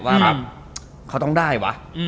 ว่าเขาต้องได้ว่า